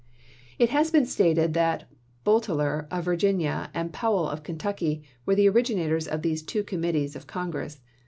It has been stated that Boteler, of Virginia, and Powell, of Kentucky, were the originators of these two committees of Congress.